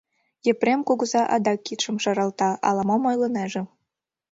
Епрем кугыза адак кидшым шаралта, ала-мом ойлынеже.